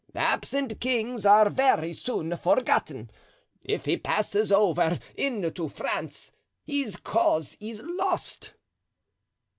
Absent kings are very soon forgotten; if he passes over into France his cause is lost."